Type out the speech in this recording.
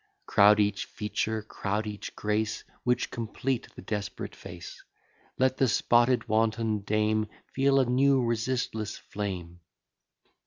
Crowd each feature, crowd each grace, Which complete the desperate face; Let the spotted wanton dame Feel a new resistless flame!